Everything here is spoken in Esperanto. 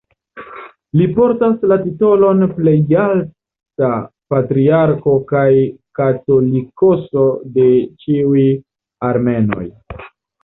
Li portas la titolon "Plejalta Patriarko kaj Katolikoso de ĉiuj Armenoj".